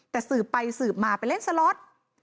แต่สืบไปสืบมาไปเล่นสล็อต